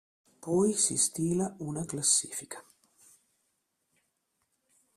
Poi si stila una classifica.